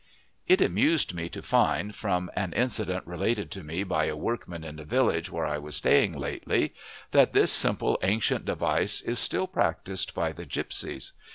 It amused me to find, from an incident related to me by a workman in a village where I was staying lately, that this simple, ancient device is still practised by the gipsies.